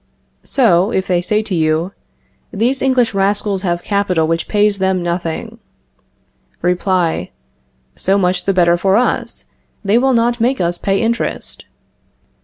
So, if they say to you: These English rascals have capital which pays them nothing Reply: So much the better for us; they will not make us pay interest.